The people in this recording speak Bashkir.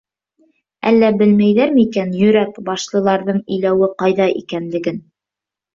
Әллә белмәйҙәр микән Йөрәк башлыларҙың иләүе ҡайҙа икәнлеген?